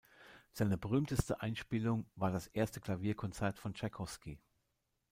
Seine berühmteste Einspielung war das erste Klavierkonzert von Tschaikowski.